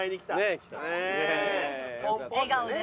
笑顔で。